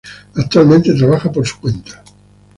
Actualmente trabaja por su cuenta.